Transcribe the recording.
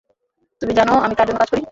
তুমি জান আমি কার জন্য কাজ করি?